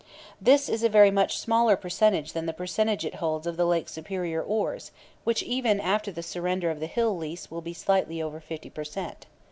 This is a very much smaller percentage than the percentage it holds of the Lake Superior ores, which even after the surrender of the Hill lease will be slightly over 50 per cent.